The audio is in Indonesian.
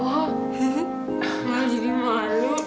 oh mau jadi malu